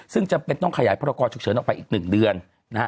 ซึ่งจำเป็นต้องขยายพรกรฉุกเฉินออกไปอีก๑เดือนนะฮะ